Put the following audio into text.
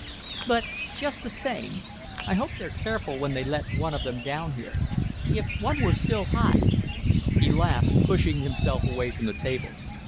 "But just the same, I hope they're careful when they let one of them down here. If one were still hot " He laughed, pushing himself away from the table.